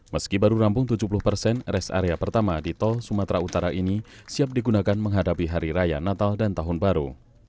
meski baru rampung tujuh puluh persen res area pertama di tol sumatera utara ini siap digunakan menghadapi hari raya natal dan tahun baru